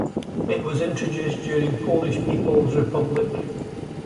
It was introduced during Polish People's Republic.